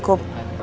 tapi itu gak cukup